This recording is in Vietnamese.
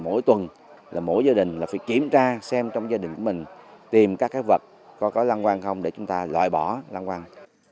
mỗi tuần là mỗi gia đình là phải kiểm tra xem trong gia đình của mình tìm các cái vật có có long quăng không để chúng ta loại bỏ long quăng